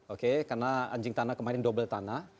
oke karena anjing tanah kemarin double tanah